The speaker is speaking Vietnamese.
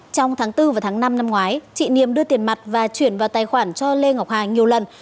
trong tháng bốn và tháng năm năm ngoái chị niềm đưa tiền mặt và chuyển vào tài khoản cho lê ngọc hà nhiều lần